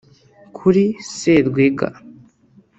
kuri Serwega